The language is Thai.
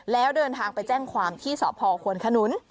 แล้วเดินทางไปแจ้งความที่สพควนขนุน